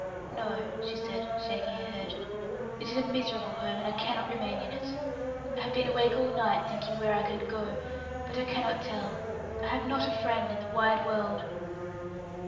"No," she said, shaking her head, "it is a miserable home, and I cannot remain in it. I have been awake all night, thinking where I can go, but I cannot tell; I have not a friend in the wide world."